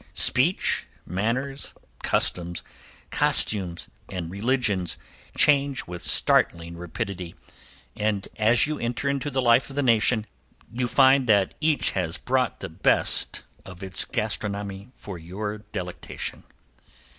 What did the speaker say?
Speech, manners, customs, costumes and religions change with startling rapidity, and as you enter into the life of the nation you find that each has brought the best of its gastronomy for your delectation.